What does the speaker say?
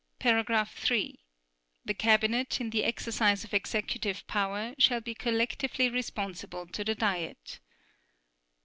(3) The Cabinet, in the exercise of executive power, shall be collectively responsible to the Diet.